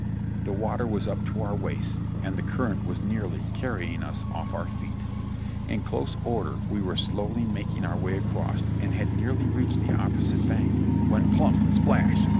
The water was up to our waists, and the current was nearly carrying us off our feet. In close order we were slowly making our way across, and had nearly reached the opposite bank, when plump ! splash